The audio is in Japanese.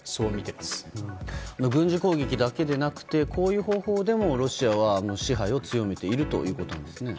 軍需攻撃だけじゃなくてこういう方法でもロシアは支配を強めているということなんですね。